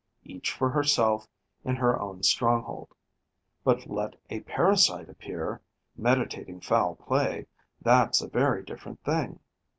Each for herself in her own stronghold. But let a parasite appear, meditating foul play: that's a very different thing.